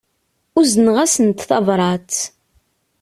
Uzneɣ-asent tabrat.